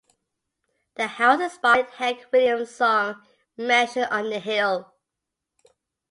The house inspired Hank Williams' song "Mansion on the Hill".